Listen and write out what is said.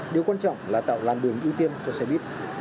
điều quan trọng là tạo làn đường ưu tiên cho xe buýt